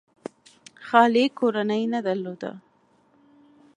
خالي کورنۍ نه درلوده.